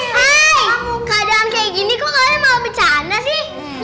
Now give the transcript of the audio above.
hai keadaan kayak gini kok kalian malah bencana sih